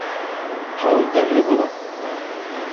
Кавын тәмле була.